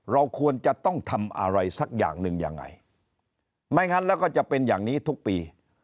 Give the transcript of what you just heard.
เราควรจะต้องทำอะไรสักอย่างหนึ่งยังไงไม่งั้นแล้วก็จะเป็นอย่างนี้ทุกปี